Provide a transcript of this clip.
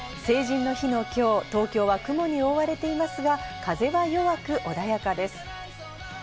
成人の日の今日、東京は雲に覆われていますが、風が弱く穏やかです。